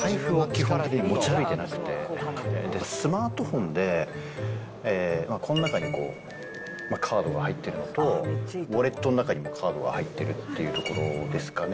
財布を基本的に持ち歩いてなくて、スマートフォンでこの中にカードが入ってるのと、ウォレットの中にもカードが入ってるっていうところですかね。